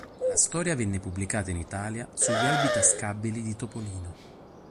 La storia venne pubblicata in Italia sugli Albi tascabili di Topolino.